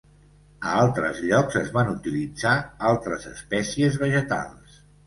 A altres llocs es van utilitzar altres espècies vegetals.